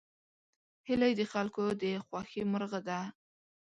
هیلۍ د خلکو د خوښې مرغه ده